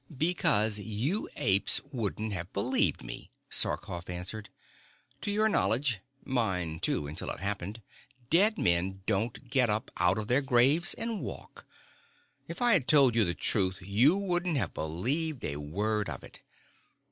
"Because you apes wouldn't have believed me!" Sarkoff answered. "To your knowledge mine, too, until it happened dead men don't get up out of their graves and walk. If I had told you the truth, you wouldn't have believed a word of it.